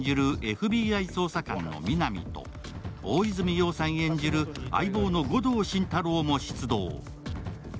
ＦＢＩ捜査官の皆実と大泉洋さん演じる相棒の護道心太朗も出動。